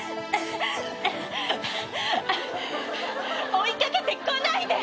追い掛けてこないで！